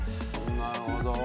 なるほど。